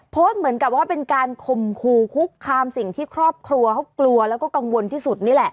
โพสต์เหมือนกับว่าเป็นการข่มขู่คุกคามสิ่งที่ครอบครัวเขากลัวแล้วก็กังวลที่สุดนี่แหละ